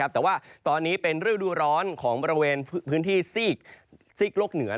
แต่ว่าตอนนี้เป็นฤดูร้อนของบริเวณพื้นที่ซีกโลกเหนือ